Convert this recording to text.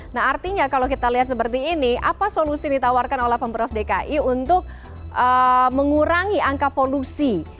nah artinya kalau kita lihat seperti ini apa solusi ditawarkan oleh pemprov dki untuk mengurangi angka polusi